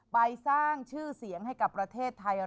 ไปสร้างชื่อเสียงให้กับประเทศไทย